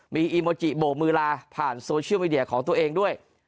มีอีโมจิโบกมือลาผ่านโซเชียลมีเดียของตัวเองด้วย